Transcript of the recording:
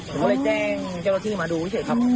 ผมก็เลยแจ้งเจ้าหน้าที่มาดูพิเศษครับ